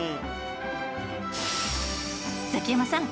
ザキヤマさん